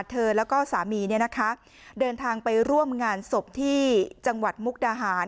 เธอแล้วก็สามีเดินทางไปร่วมงานศพที่จังหวัดมุกดาหาร